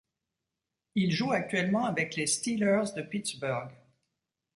Il joue actuellement avec les Steelers de Pittsburgh.